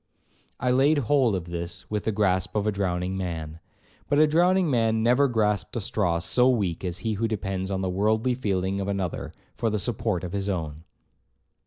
I laid hold of this with the grasp of a drowning man. But a drowning man never grasped a straw so weak as he who depends on the worldly feeling of another for the support of his own.